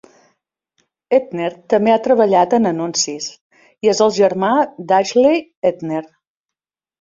Edner també ha treballat en anuncis i és el germà d'Ashley Edner.